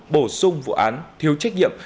bổ sung vụ án thiếu trách nhiệm